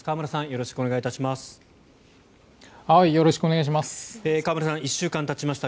よろしくお願いします。